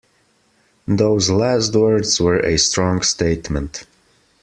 Those last words were a strong statement.